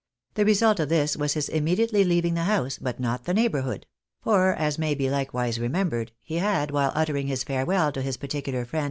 The result of this was his immediately leaving the house, but not the neighbourhood ; for, as may be likewise remembered, he had, while uttering his farewell to his particular friend.